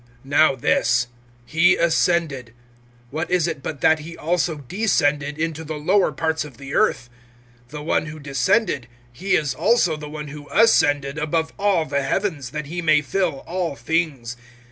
(9)Now this, he ascended, what is it but that he also descended into the lower parts of the earth? (10)The one who descended, he is also the one who ascended above all the heavens, that he may fill all things.